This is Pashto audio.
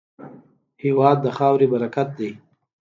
هېواد د خاورې برکت دی.